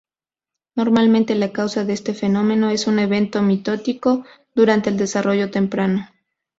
Normalmente la causa de este fenómeno es un evento mitótico durante el desarrollo temprano.